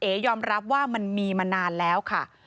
ยอมรับว่ามันมีมานานแล้วค่ะ